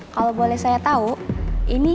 saya pilih yang ini